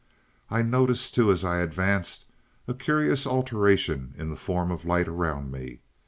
"I noticed, too, as I advanced, a curious alteration in the form of light around me.